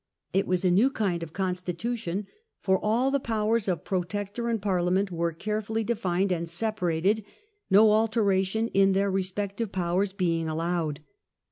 It ^653. was a new kind of constitution, for all the powers of Protector and Parliament were carefully defined and separated, no alteration in their respective powers be ing allowed.